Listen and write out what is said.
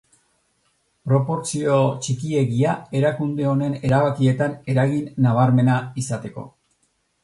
Proportzio txikiegia erakunde honen erabakietan eragin nabarmena izateko.